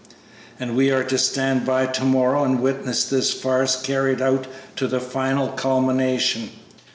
"And we are to stand by to morrow and witness this farce carried out to the final culmination!"